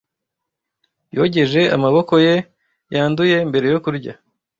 Yogeje amaboko ye yanduye mbere yo kurya.